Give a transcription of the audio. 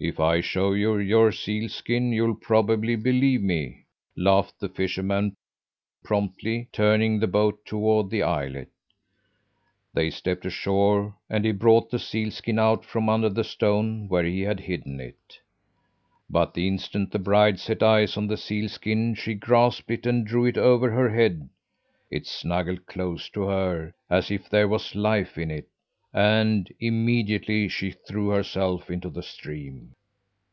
"If I show you your seal skin, you'll probably believe me!' laughed the fisherman, promptly turning the boat toward the islet. They stepped ashore and he brought the seal skin out from under the stone where he had hidden it. "But the instant the bride set eyes on the seal skin she grasped it and drew it over her head. It snuggled close to her as if there was life in it and immediately she threw herself into the stream.